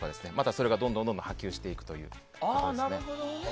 、それがどんどんと波及していくということです。